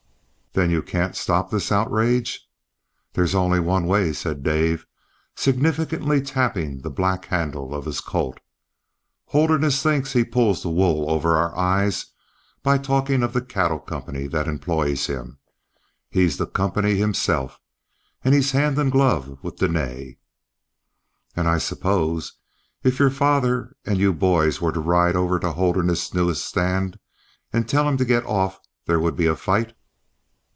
"Then you can't stop this outrage?" "There's only one way," said Dave, significantly tapping the black handle of his Colt. "Holderness thinks he pulls the wool over our eyes by talking of the cattle company that employs him. He's the company himself, and he's hand and glove with Dene." "And I suppose, if your father and you boys were to ride over to Holderness's newest stand, and tell him to get off there would be a fight."